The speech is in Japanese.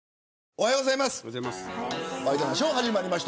おはようございます。